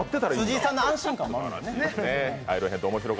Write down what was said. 辻井さんの安心感もあるんだ。